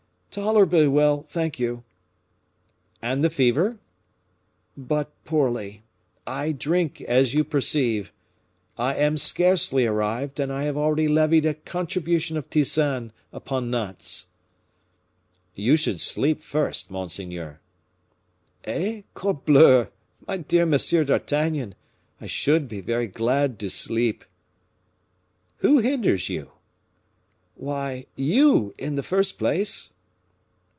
"Tolerably well, thank you." "And the fever?" "But poorly. I drink, as you perceive. I am scarcely arrived, and I have already levied a contribution of tisane upon Nantes." "You should sleep first, monseigneur." "Eh! corbleu! my dear Monsieur d'Artagnan, I should be very glad to sleep." "Who hinders you?" "Why, you in the first place."